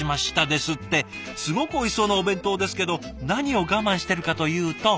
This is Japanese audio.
すごくおいしそうなお弁当ですけど何を我慢してるかというと。